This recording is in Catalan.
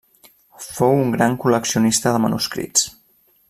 Fou un gran col·leccionista de manuscrits.